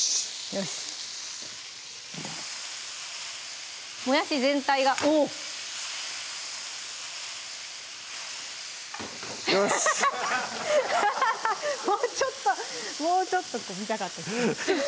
よしもうちょっともうちょっと見たかったです